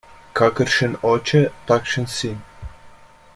Kakršen oče, takšen sin.